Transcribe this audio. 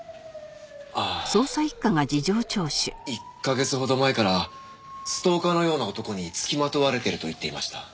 ああ１カ月ほど前からストーカーのような男に付きまとわれてると言っていました。